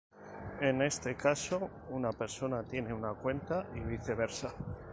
En este caso, una persona tiene una cuenta y viceversa.